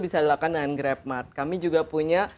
bisa dilakukan dengan grab mart kami juga punya